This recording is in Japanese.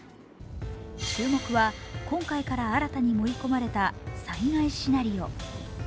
注目は今回から新たに盛り込まれた災害シナリオ。